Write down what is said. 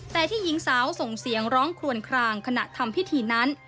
แต่ที่หญิงสาวส่งเสียงร้องครวนคลางขณะทำพิธีนั้น